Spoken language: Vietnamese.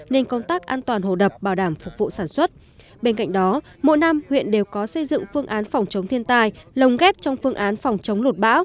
nên công tác có thể được tạo ra